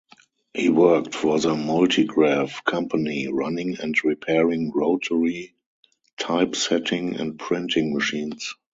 He worked for the Multigraph Company, running and repairing rotary typesetting and printing machines.